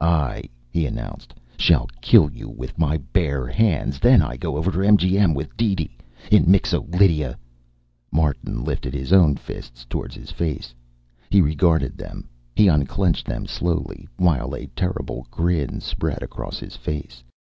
"I," he announced, "shall kill you with my bare hands. Then I go over to MGM with DeeDee. In Mixo Lydia " Martin lifted his own fists toward his face. He regarded them. He unclenched them slowly, while a terrible grin spread across his face.